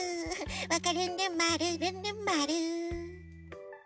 「わかるんるんまるるんるんまる」